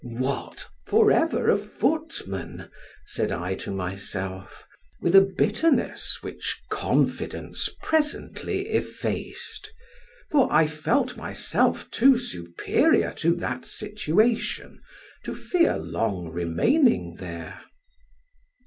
"What! forever a footman?" said I to myself, with a bitterness which confidence presently effaced, for I felt myself too superior to that situation to fear long remaining there.